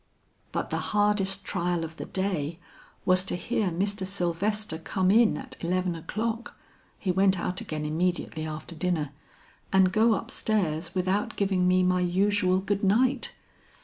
"But the hardest trial of the day was to hear Mr. Sylvester come in at eleven o'clock he went out again immediately after dinner and go up stairs without giving me my usual good night.